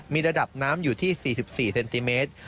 มีระดับน้ำอยู่ที่๔๔เซนติเมตร